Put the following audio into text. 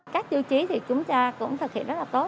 các tiêu chí thì chúng ta cũng thực hiện rất là tốt